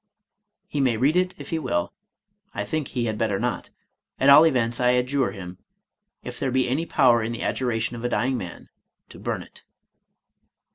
He may read it if he will; — I think he had better not. At all events, I adjure him, if there be any power in the adjuration of a dying man, to> burn it."